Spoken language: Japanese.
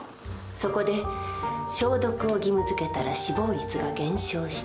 そこで消毒を義務づけたら死亡率が減少した。